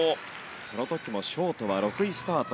その時もショートは６位スタート。